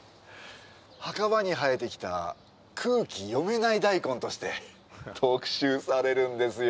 墓場に生えてきた空気読めない大根として特集されるんですよ